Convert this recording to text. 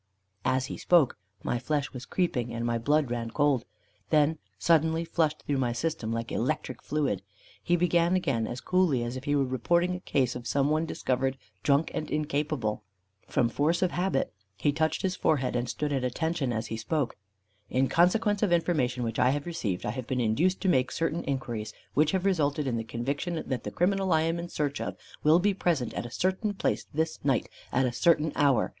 As he spoke my flesh was creeping, and my blood ran cold, then suddenly flushed through my system like electric fluid. He began again as coolly as if he were reporting a case of some one discovered "drunk and incapable." From force of habit, he touched his forehead, and stood at attention, as he spoke. "In consequence of information which I have received, I have been induced to make certain inquiries, which have resulted in the conviction that the criminal I am in search of will be present at a certain place this night, at a certain hour.